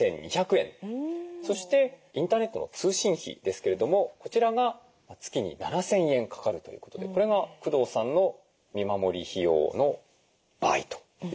そしてインターネットの通信費ですけれどもこちらが月に７，０００円かかるということでこれが工藤さんの見守り費用の場合ということです。